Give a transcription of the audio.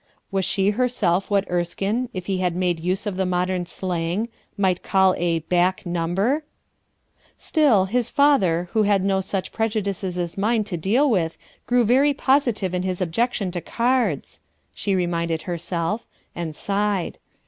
Was she herself what Erskine, if he had made use of the modern slang, might call a "back number 1 '? ''Still, his father, who had no such prejudices as mine to deal with, grew very positive in his objection to cards/' she reminded herself, and sighed.